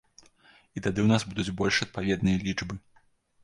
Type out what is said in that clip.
І тады ў нас будуць больш адпаведныя лічбы.